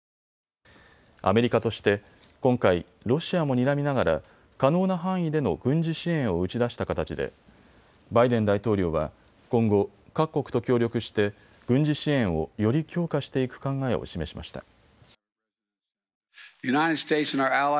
アメリカとして今回、ロシアもにらみながら可能な範囲での軍事支援を打ち出した形でバイデン大統領は今後、各国と協力して軍事支援をより強化していく考えを示しました。